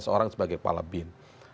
seorang sebagai kepala bin